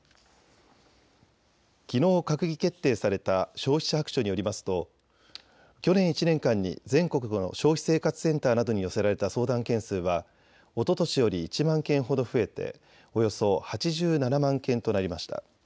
きのう閣議決定された消費者白書によりますと去年１年間に全国の消費生活センターなどに寄せられた相談件数はおととしより１万件ほど増えておよそ８７万件となりました。